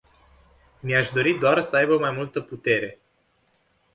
Mi-aș dori doar să aibă mai multă putere.